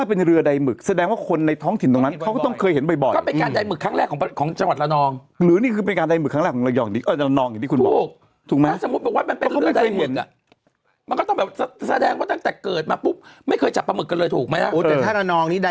คนเราจริงถ้าสมมุติเอาตามกฎหมายจริง